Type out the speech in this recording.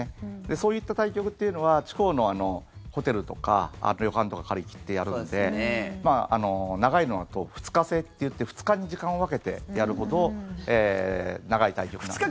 そういった対局というのは地方のホテルとか旅館とかを借り切ってやるので長いのだと２日制といって２日に時間を分けてやるほど長い対局なんですね。